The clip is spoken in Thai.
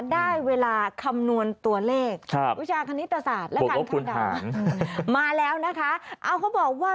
ได้เวลาคำนวณตัวเลขวิชาคณิตศาสตร์และการคำด่ามาแล้วนะคะเอาเขาบอกว่า